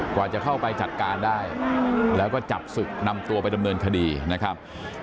กว่าจะเข้าไปจัดการได้แล้วก็จับศึกนำตัวไปดำเนินคดีนะครับ